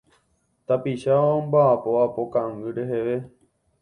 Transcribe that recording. Tapicha omba'apóva po kangy reheve.